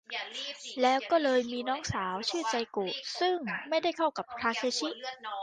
แล้วก็เลยมีน้องสาวชื่อไจโกะ ซึ่งไม่ได้เข้ากับทาเคชิ